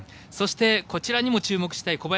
そしてこちらにも注目したい。